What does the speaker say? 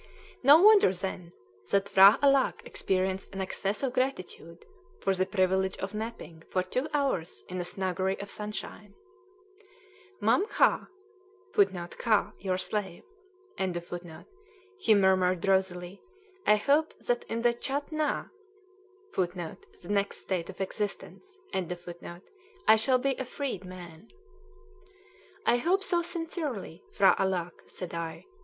No wonder, then, that P'hra Alâck experienced an access of gratitude for the privilege of napping for two hours in a snuggery of sunshine. "Mam kha," [Footnote: Kha, "your slave."] he murmured drowsily, "I hope that in the Chat Nah [Footnote: The next state of existence.] I shall be a freed man." "I hope so sincerely, P'hra Alâck," said I.